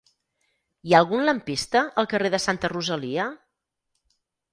Hi ha algun lampista al carrer de Santa Rosalia?